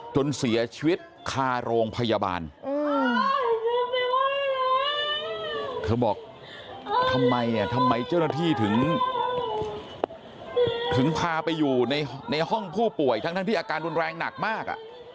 จนเสียชีวิตคาโรงพยาบาลเธอบอกทำไมอ่ะทำไมเจ้าหน้าที่ถึงพาไปอยู่ในห้องผู้ป่วยทั้งที่อาการรุนแรงหนักมาก